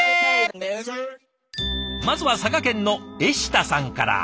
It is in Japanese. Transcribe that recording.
まずは佐賀県のえしたさんから。